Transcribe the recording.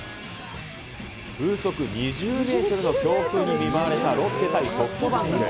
風速２０メートルの強風に見舞われたロッテ対ソフトバンク。